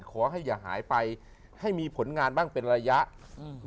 ขอให้อย่าหายไปให้มีผลงานบ้างเป็นระยะอืม